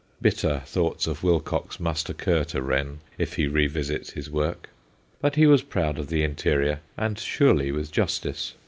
Bitter thoughts of Wilcox must occur to Wren if he revisits his work. But he was proud of the interior, and surely with justice.